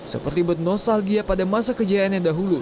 seperti bernostalgia pada masa kejayaan yang dahulu